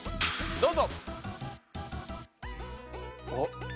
どうぞ。